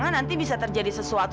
alhamdulillah milah sehat bu